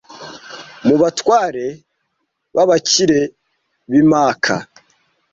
mu batware b’abakire b’i Maka